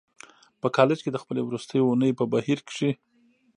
په کالج کې د خپلې وروستۍ اونۍ په بهير کې.